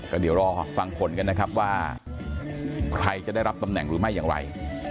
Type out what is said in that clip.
ก็เดี๋ยวรอฟังผลกันนะครับว่าใครจะได้รับตำแหน่งหรือไม่อย่างไร